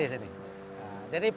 lahirnya balik di sini